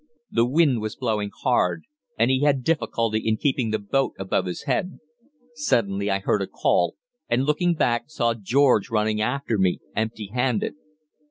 The wind was blowing hard, and he had difficulty in keeping the boat above his head. Suddenly I heard a call, and, looking back, saw George running after me, empty handed.